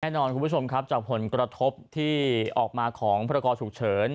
แน่นอนคุณผู้ชมครับจากผลกระทบที่ออกมาของพรกรฉุกเฉิน